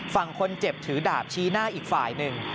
ฝั่งคนเจ็บถือดาบชี้หน้าอีกฝ่ายหนึ่ง